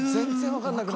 わかんない。